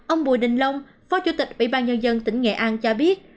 ông bùi đình long phó chủ tịch ủy ban nhân dân tỉnh nghệ an cho biết